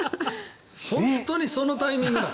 本当にそのタイミングなの？